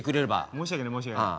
申し訳ない申し訳ない。